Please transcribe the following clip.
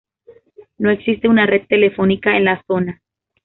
No existe una red telefónica en la zona.